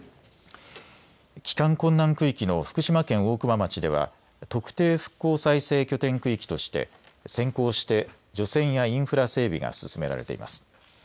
帰還困難区域の福島県大熊町では特定復興再生拠点区域として先行して除染やインフラ整備が進められています。